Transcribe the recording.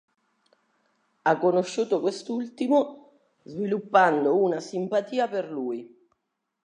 Ha conosciuto quest'ultimo, sviluppando una simpatia per lui.